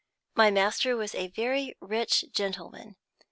My master was a very rich gentleman.